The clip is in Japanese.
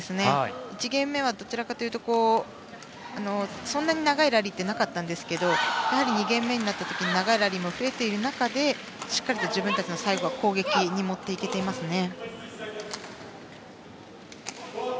１ゲーム目はどちらかというとそんなに長いラリーはなかったですが２ゲーム目になった時に長いラリーも増えている中でしっかり最後は自分たちの攻撃に持っていけていますね。